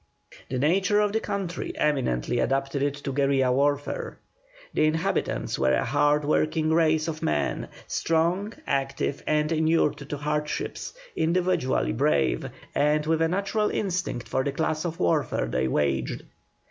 The nature of the country eminently adapted it to guerilla warfare. The inhabitants were a hard working race of men, strong, active, and inured to hardships, individually brave, and with a natural instinct for the class of warfare they waged.